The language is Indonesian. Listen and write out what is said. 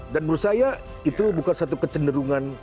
dan menurut saya itu bukan satu kecenderungan